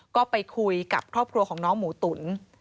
ก็ไปคุยกับครอบครัวของน้องหมูตุ๋น